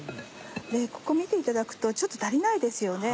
ここ見ていただくとちょっと足りないですよね。